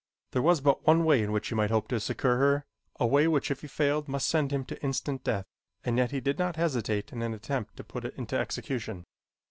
There was but one way in which he might hope to succor her a way which if it failed must send him to instant death and yet he did not hesitate in an attempt to put it into execution.